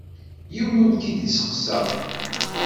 Yiwen ur k-id-isteqsa.